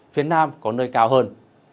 phía nam có nơi cao hơn